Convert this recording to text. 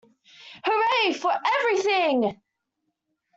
Hooray for Everything!!!